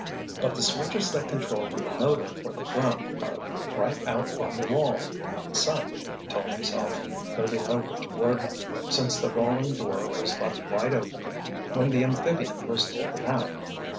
"But the switches that control the motor for the drum are right out on the wall in plain sight," he told himself, moving over toward them, since the rolling door was left wide open when the amphibian was taken out.